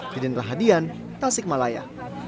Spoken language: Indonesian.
jadilah hadian tansik malaya